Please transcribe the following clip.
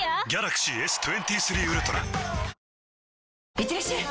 いってらっしゃい！